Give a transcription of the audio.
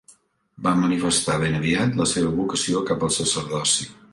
Va manifestar ben aviat la seva vocació cap al sacerdoci.